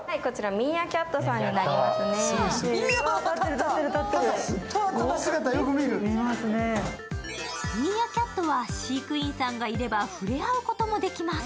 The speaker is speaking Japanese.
ミーアキャットは飼育員さんがいれば触れ合うこともできます。